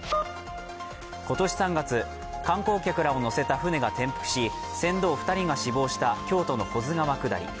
今年３月、観光客らを乗せた船が転覆し、船頭２人が死亡した京都の保津川下り。